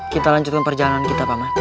kita lanjutkan perjalanan kita pak mart